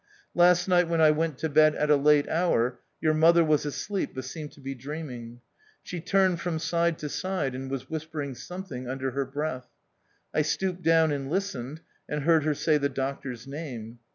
Last night when I went to bed at a late hour your mother was asleep, but seemed to be dreaming. She turned from side to side, and was whispering something under her breath. I stooped down and listened, and heard her say the doctor's name.